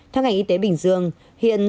theo ngành y tế bình dương hiện